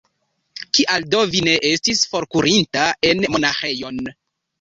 Kial do vi ne estis forkurinta en monaĥejon?